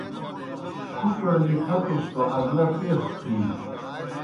ہُڇھڑ نِکَھتُس توْ اگلہ پیخہ تُھوِیی۔